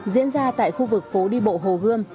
diễn ra tại khu vực phố đi bộ hồ gươm